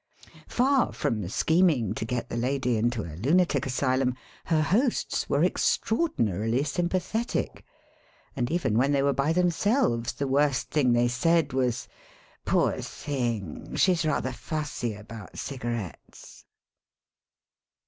Far from scheming to get the lady into a luna tic asylum, her hosts were extraordinarily sym pathetic, and even when they were by themselves the worst thing they said was : "Poor thing! She's rather fussy about cig arettes."